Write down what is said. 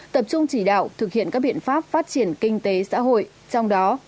tập trung chỉ đạo thực hiện các biện pháp phát triển kinh tế xã hội trong đó